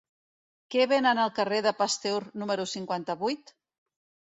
Què venen al carrer de Pasteur número cinquanta-vuit?